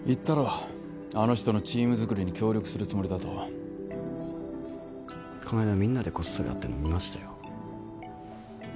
たろあの人のチームづくりに協力するつもりだとこの間みんなでこっそり会ってるの見ましたよ